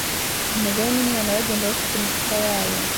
Umugore n'umwana bagenda bafite imifuka yabo